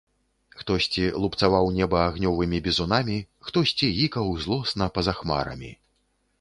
Хтосьці лупцаваў неба агнёвымі бізунамі, хтосьці гікаў злосна па-за хмарамі.